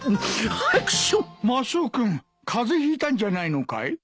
マスオ君風邪ひいたんじゃないのかい？